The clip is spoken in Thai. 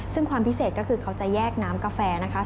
ซึ่งความพิเศษก็คือเขาจะแยกน้ำกาแฟนะคะ